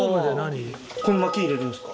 ここに薪入れるんですか？